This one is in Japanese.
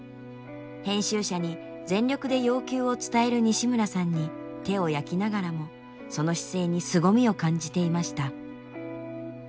編集者に全力で要求を伝える西村さんに手を焼きながらもその姿勢にすごみを感じていました。